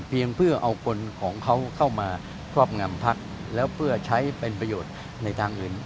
เพื่อเอาคนของเขาเข้ามาครอบงำพักแล้วเพื่อใช้เป็นประโยชน์ในทางอื่น